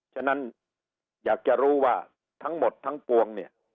ฉะนั้นอยากจะรู้ว่าทั้งหมดทั้งปวงเนี่ย